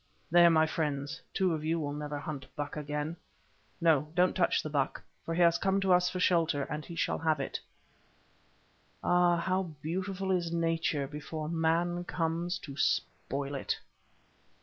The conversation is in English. there, my friends, two of you will never hunt buck again. No, don't touch the buck, for he has come to us for shelter, and he shall have it. Ah, how beautiful is nature before man comes to spoil it!